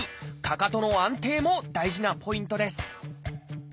かかとの安定も大事なポイントです。